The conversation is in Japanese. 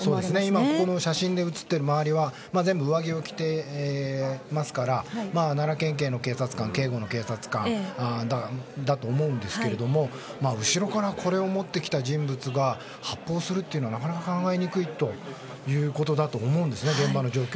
今、この写真に写っている周りにいる方は全部、上着を着ていますから奈良県警の警察官警護の警察官だと思うんですけれども後ろからこれを持ってきた人物が発砲するのはなかなか考えにくいと思うんですね